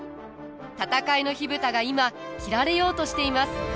戦いの火蓋が今切られようとしています！